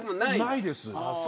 ないです。